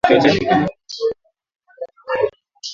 Vikosi vya usalama vilimpiga risasi na kumuuwa muandamanaji mmoja